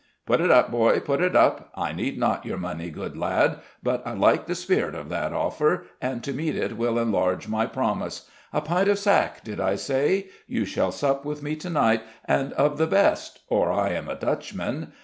"Put it up, boy; put it up! I need not your money, good lad: but I like the spirit of that offer, and to meet it will enlarge my promise. A pint of sack, did I say? You shall sup with me to night, and of the best, or I am a Dutchman.